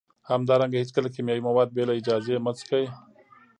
همدارنګه هیڅکله کیمیاوي مواد بې له اجازې مه څکئ